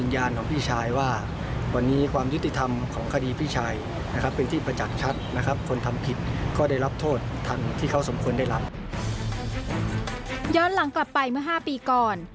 ย้อนหลังกลับไปเมื่อ๕ปีก่อน